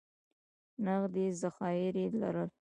نغدي ذخایر یې لرل.